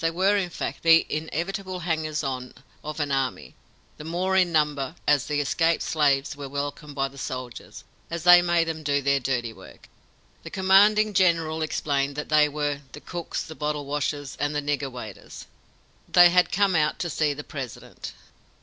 They were, in fact, the inevitable hangers on of an army, the more in number, as the escaped slaves were welcomed by the soldiers, as they made them do their dirty work. The commanding general explained that they were "the cooks, the bottle washers, and the nigger waiters." They had come out to see the President.